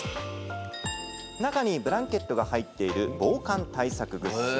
中にブランケットが入っている防寒対策グッズ。